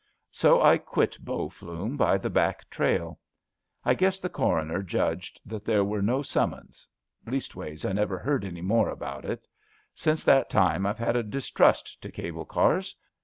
So I quit Bow Flume by the back trail. I guess the coroner judged that there were no sum mons — leastways I never heard any more about it. Since that time I ve had a distrust to cable ears.